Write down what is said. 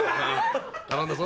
頼んだぞ。